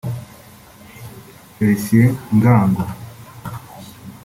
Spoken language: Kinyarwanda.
Felicien Ngango